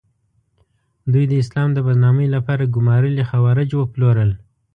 دوی د اسلام د بدنامۍ لپاره ګومارلي خوارج وپلورل.